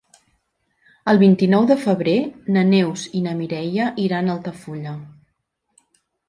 El vint-i-nou de febrer na Neus i na Mireia iran a Altafulla.